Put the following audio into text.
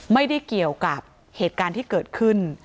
ไม่ได้เกี่ยวกับเหตุการณ์ที่เกิดขึ้น